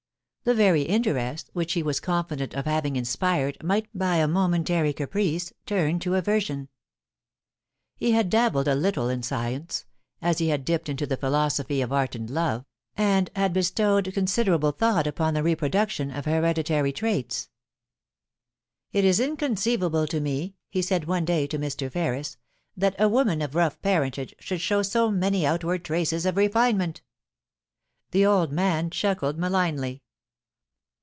The very interest which he was confident of having inspired might by a momentary caprice turn to aversion. He had dabbled a little in science, as he had dipped into the philosophy of art and love, and had bestowed considerable thought upon the reproduction of hereditary traits. * It is inconceivable to me,' he said one day to Mr. Ferris, *that a woman of rough parentage should show so many outward traces of refinement' The old man chuckled malignly.